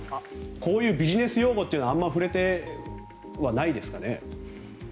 こういうビジネス用語というのはあまり触れてはないですかね？